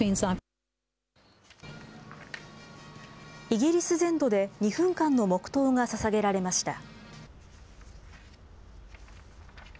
イギリス全土で２分間の黙とうがささげられました。